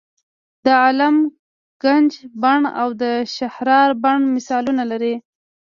د عالم ګنج بڼ او د شهرارا بڼ مثالونه دي.